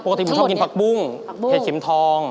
มึงชอบกินผักบุ้งเห็ดเข็มทอง